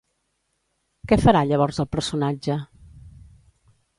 Què farà llavors el personatge?